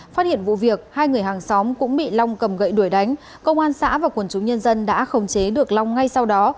phát hiện vụ việc hai người hàng xóm cũng bị long cầm gậy đuổi đánh công an xã và quần chúng nhân dân đã khống chế được long ngay sau đó